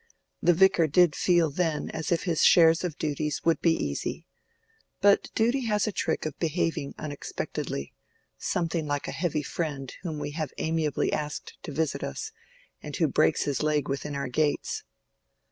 The Vicar did feel then as if his share of duties would be easy. But Duty has a trick of behaving unexpectedly—something like a heavy friend whom we have amiably asked to visit us, and who breaks his leg within our gates.